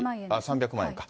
３００万円か。